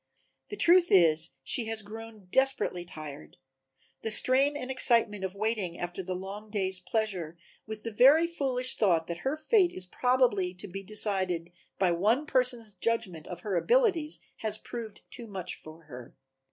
The truth is that she has grown desperately tired, the strain and excitement of waiting after the long day's pleasure with the very foolish thought that her fate is probably to be decided by one person's judgment of her abilities has proved too much for her.